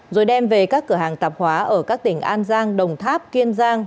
rồi đem về các cửa hàng tạp hóa ở các tỉnh an giang đồng tháp kiên giang